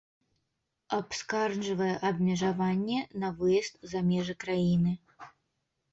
Абскарджвае абмежаванне на выезд за межы краіны.